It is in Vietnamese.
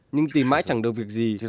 nhưng tìm mãi chẳng được việc gì